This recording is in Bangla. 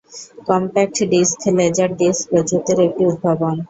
কমপ্যাক্ট ডিস্ক লেজার-ডিস্ক প্রযুক্তির একটি উদ্ভাবন।